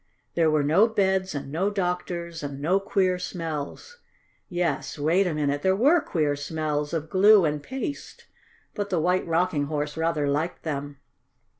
There were no beds and no doctors and no queer smells. Yes, wait a minute, there were queer smells of glue and paste, but the White Rocking Horse rather liked them.